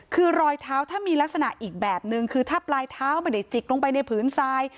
คือรอยเท้าถ้ามีลักษณะอีกแบบนึงคือถ้าปลายเท้าไม่ได้จิกลงไปในผืนทราย